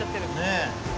ねえ。